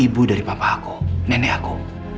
ibu dari papa aku nenek aku